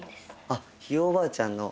あっひいおばあちゃんの。